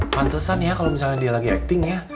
pantesan ya kalau misalnya dia lagi acting ya